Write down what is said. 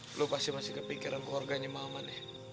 kamu pasti masih memikirkan keluarganya maman